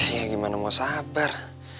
ya gimana mau sabar